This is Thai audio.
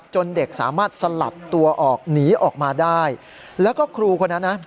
เด็กสามารถสลับตัวออกหนีออกมาได้แล้วก็ครูคนนั้นนะ